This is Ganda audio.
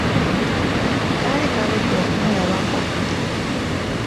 Kaali kaludde okumulabako!